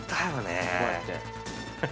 こうやって。